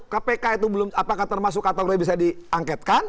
kpk itu belum apakah termasuk kategori bisa diangketkan